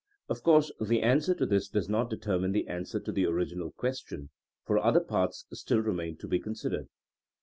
Of course the answer to this does not determine the answer to the original question, for other parts still re main to be considered.